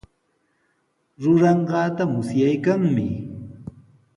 Ruranqaata musyaykanmi.